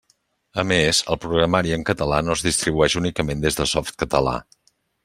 A més, el programari en català no es distribueix únicament des de Softcatalà.